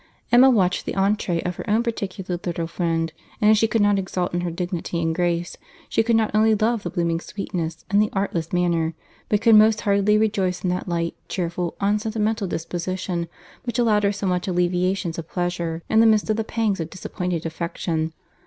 Emma watched the entree of her own particular little friend; and if she could not exult in her dignity and grace, she could not only love the blooming sweetness and the artless manner, but could most heartily rejoice in that light, cheerful, unsentimental disposition which allowed her so many alleviations of pleasure, in the midst of the pangs of disappointed affection.